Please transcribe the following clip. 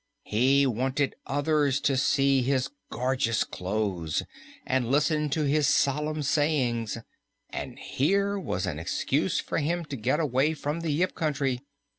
He wanted others to see his gorgeous clothes and listen to his solemn sayings, and here was an excuse for him to get away from the Yip Country.